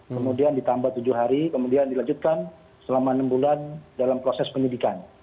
kemudian ditambah tujuh hari kemudian dilanjutkan selama enam bulan dalam proses penyidikan